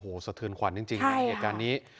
โหสะทืนขวัญจริงในเหตุการณ์นี้